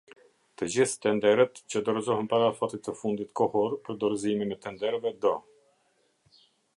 Tëgjithë tenderët që dorëzohen para afatit të fundit kohor për dorëzimin e tenderëve do.